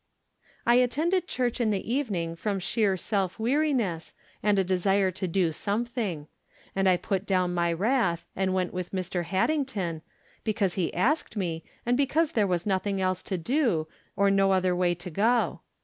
I attended church in the evening from sheer self weariness, and a desire to do something ; and I put down my wrath and went with Mr. Had dington, because he asked me, and because there was nothing else to do, or no other way to go.